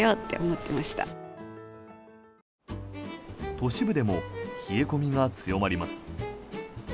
都市部でも冷え込みが強まります。